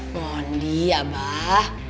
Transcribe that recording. mohon dia abah